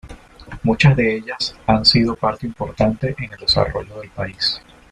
Muchas de ellas han sido parte importante en el desarrollo del país.